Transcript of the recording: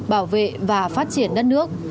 bảo vệ và phát triển đất nước